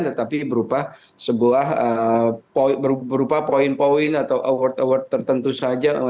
tetapi berupa sebuah poin poin atau award award tertentu saja